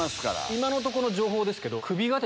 今のとこの情報ですけど。